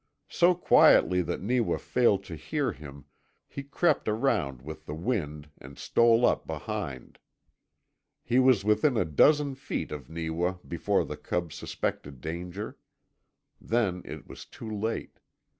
So quietly that Neewa failed to hear him he crept around with the wind and stole up behind. He was within a dozen feet of Neewa before the cub suspected danger. Then it was too late.